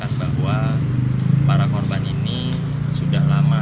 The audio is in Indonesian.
hal ini karena korban korban ini sudah lama